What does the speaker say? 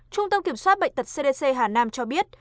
trung tâm kiểm soát bệnh tật cdc hà nam cho biết